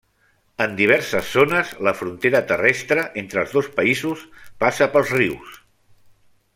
En diverses zones, la frontera terrestre entre els dos països passa pels rius.